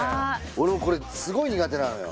俺もこれすごい苦手なのよ